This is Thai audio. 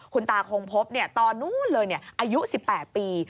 คุณตาคงพบตอนนู้นเลยอายุ๑๘ปี